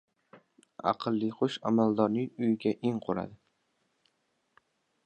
• Aqlli qush amaldorning uyiga in quradi.